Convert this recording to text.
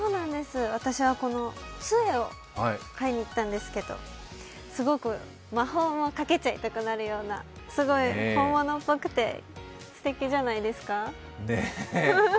私はこのつえを買いにいったんですがすごく、魔法をかけちゃいたくなるような本物っぽくてすてきじゃないですか。